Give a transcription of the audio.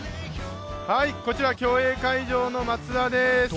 こちら競泳会場の松田です。